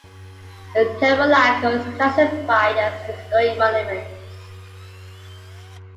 The tabernacle is classified as historic monuments.